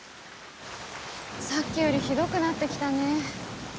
さっきよりひどくなってきたね。